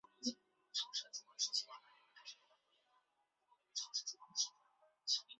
鼠掌老鹳草为牻牛儿苗科老鹳草属的植物。